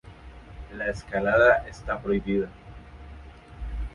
La escalada está prohibida.